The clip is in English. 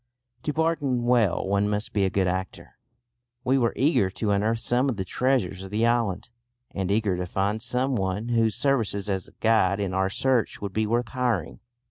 To bargain well one must be a good actor. We were eager to unearth some of the treasures of the island, and eager to find some one whose services as guide in our search would be worth hiring.